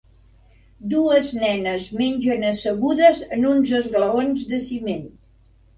Dues nenes mengen assegudes en uns esglaons de ciment.